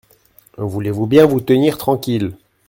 Voulez-vous bien vous tenir tranquille…